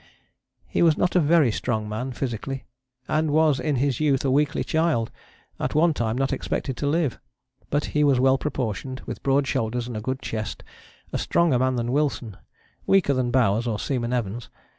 He was not a very strong man physically, and was in his youth a weakly child, at one time not expected to live. But he was well proportioned, with broad shoulders and a good chest, a stronger man than Wilson, weaker than Bowers or Seaman Evans.